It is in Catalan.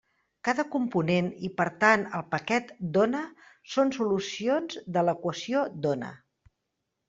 Cada component i per tant el paquet d'ona són solucions de l'equació d'ona.